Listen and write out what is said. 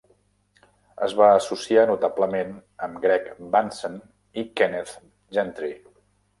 Es va associar notablement amb Greg Bahnsen i Kenneth Gentry.